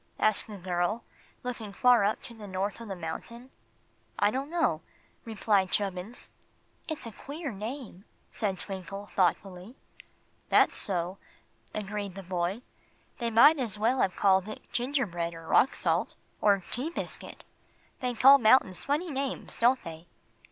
asked the girl, looking far up to the top of the mountain. "I don't know," replied Chubbins. "It's a queer name," said Twinkle, thoughtfully. "That's so," agreed the boy. "They might as well have called it 'gingerbread' or 'rock salt,' or 'tea biscuit.' They call mountains funny names, don't they?"